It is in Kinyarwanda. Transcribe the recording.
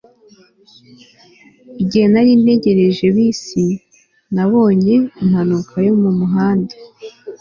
igihe nari ntegereje bisi, nabonye impanuka yo mu muhanda